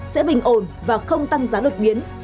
sẽ bình ổn và không tăng giá đột biến